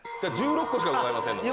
１６個しかございませんので。